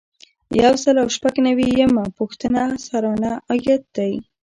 یو سل او شپږ نوي یمه پوښتنه سرانه عاید دی.